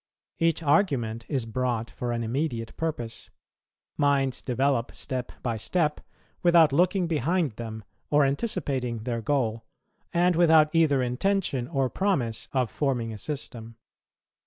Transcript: Each argument is brought for an immediate purpose; minds develope step by step, without looking behind them or anticipating their goal, and without either intention or promise of forming a system.